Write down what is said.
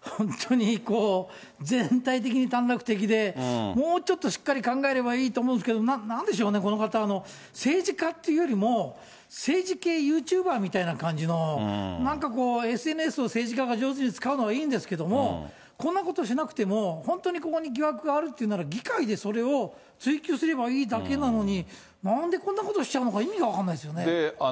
本当に、全体的に短絡的で、もうちょっと、しっかり考えればいいと思うんですけど、なんでしょうね、この方は、政治家っていうよりも、政治系ユーチューバーみたいな感じの、なんかこう、ＳＮＳを政治家が上手に使うのはいいんですけれども、こんなことしなくても、本当にここに疑惑があるっていうのなら議会でそれを追及すればいいだけなのに、なんでこんなことしちゃうのか、意味が分からないですよね。